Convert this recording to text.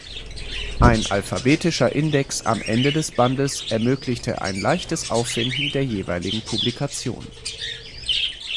Ein alphabetischer Index am Ende des Bandes ermöglichte ein leichtes Auffinden der jeweiligen Publikation.